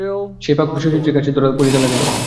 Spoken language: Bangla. সেই ফাঁক শচীশের কাছে ধরা পড়িতে লাগিল।